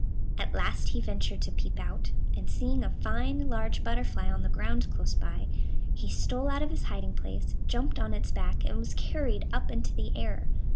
At last he ventured to peep out, and, seeing a fine large butterfly on the ground close by, he stole out of his hiding place, jumped on its back, and was carried up into the air.